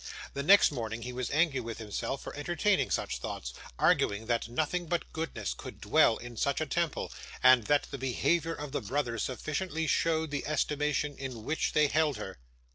The next moment, he was angry with himself for entertaining such thoughts, arguing that nothing but goodness could dwell in such a temple, and that the behaviour of the brothers sufficiently showed the estimation in which they held her.